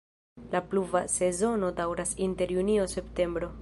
La pluva sezono daŭras inter junio-septembro.